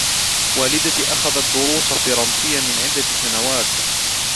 والدتي اخذت دروس فرنسية من عدة سنوات